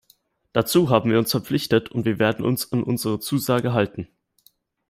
Dazu haben wir uns verpflichtet, und wir werden uns an unsere Zusage halten.